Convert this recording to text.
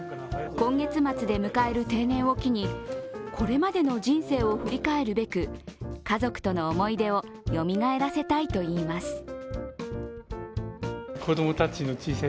今月末で迎える定年を機にこれまでの人生を振り返るべく家族との思い出をよみがえらせたいといいます。